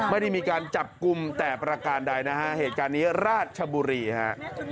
ไม่ได้มีการจับกลุ่มแต่ประการใดนะฮะเหตุการณ์นี้ราชบุรีฮะ